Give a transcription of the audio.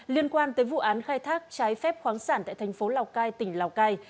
liên quan tới vụ án khai thác trái phép khoáng sản tại thành phố lào cai tỉnh lào cai